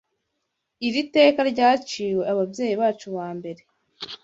Iri teka ryaciwe ababyeyi bacu ba mbere